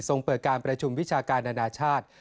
เปิดการประชุมวิชาการอนาชาติ